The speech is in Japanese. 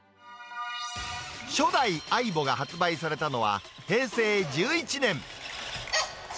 初代ＡＩＢＯが発売されたのは、平成１１年。